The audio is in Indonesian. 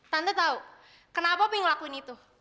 tante tahu kenapa bu ngelakuin itu